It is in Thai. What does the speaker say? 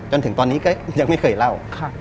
จนถึงตอนนี้ก็ยังไม่เคยเล่า